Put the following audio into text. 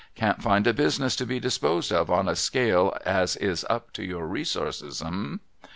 Can't find a business to be disposed of on a scale as is up to your resources, humph